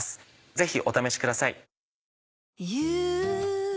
ぜひお試しください。